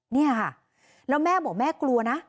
นี่ค่ะแล้วแม่บอกแม่กลัวนะ